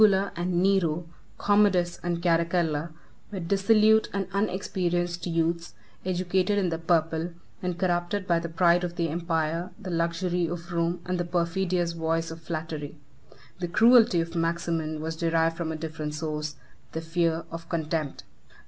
] The former tyrants, Caligula and Nero, Commodus, and Caracalla, were all dissolute and unexperienced youths, 7 educated in the purple, and corrupted by the pride of empire, the luxury of Rome, and the perfidious voice of flattery. The cruelty of Maximin was derived from a different source, the fear of contempt.